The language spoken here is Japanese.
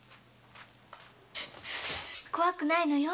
怖くないのよ。